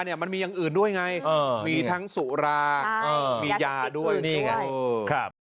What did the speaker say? มันมีอย่างอื่นด้วยไงมีทั้งสุรามียาด้วยนี่ไง